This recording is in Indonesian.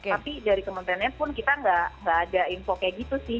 tapi dari kementeriannya pun kita nggak ada info kayak gitu sih